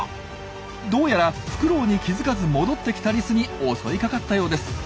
どうやらフクロウに気付かず戻ってきたリスに襲いかかったようです。